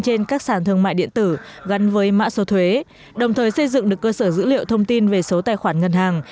trên các sản thương mại điện tử gắn với mã số thuế đồng thời xây dựng được cơ sở dữ liệu thông tin về số tài khoản ngân hàng